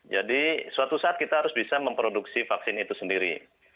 jadi suatu saat kita harus bisa memproduksi vaksin itu sendiri